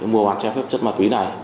mua hoàn trang phép chất ma túy này